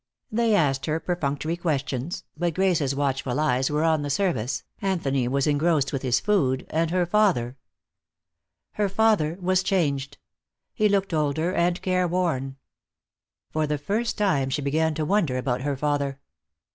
They asked her perfunctory questions, but Grace's watchful eyes were on the service, Anthony was engrossed with his food, and her father Her father was changed. He looked older and care worn. For the first time she began to wonder about her father.